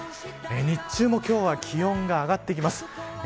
日中も今日は気温が上がってきます。